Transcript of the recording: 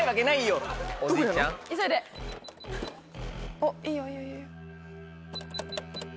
おっいいよいいよ。